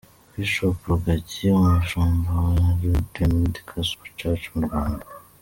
Bishop Rugagi umushumba wa Redeemed Gospel church mu Rwanda.